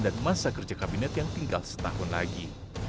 dan masa kerja kabinet yang tinggal setahun lagi